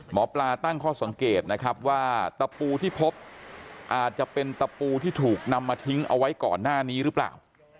หมอปลาตั้งข้อสังเกตนะครับว่าตะปูที่พบอาจจะเป็นตะปูที่ถูกนำมาทิ้งเอาไว้ก่อนหน้านี้หรือเปล่า